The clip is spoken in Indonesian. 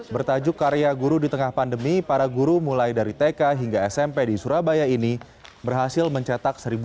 bertajuk karya guru di tengah pandemi para guru mulai dari tk hingga smp di surabaya ini berhasil mencetak satu delapan ratus enam puluh tujuh judul